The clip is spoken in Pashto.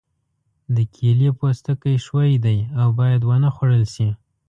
د کیلې پوستکی ښوی دی او باید ونه خوړل شي.